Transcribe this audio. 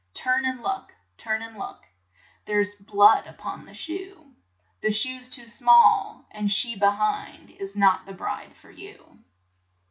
"Turn and look, turn and look, There's blood up on the shoe; The shoe's too small, and she be hind Is not the bride for you."